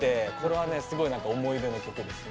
すごい何か思い出の曲ですね。